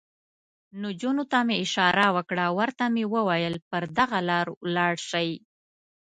نجونو ته مې اشاره وکړه، ورته مې وویل: پر دغه لار ولاړ شئ.